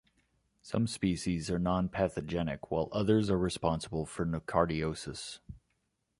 Some species are nonpathogenic, while others are responsible for nocardiosis.